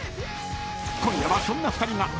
［今夜はそんな２人が］